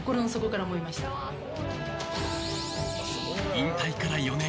引退から４年。